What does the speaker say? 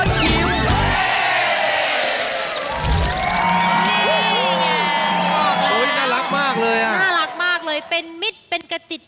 ช่วงขอชิม